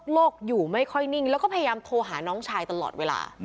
ลูกอยู่ไม่ค่อยนิ่งแล้วก็พยายามโทรหาน้องชายตลอดเวลา